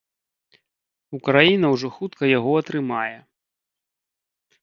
Украіна ўжо хутка яго атрымае.